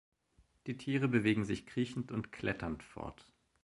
Die Tiere bewegen sich kriechend und kletternd fort.